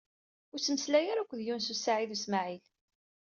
Ur ttmeslayet ara akked Yunes u Saɛid u Smaɛil.